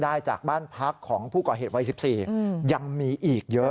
ได้จากบ้านพักของผู้ก่อเหตุวัย๑๔ยังมีอีกเยอะ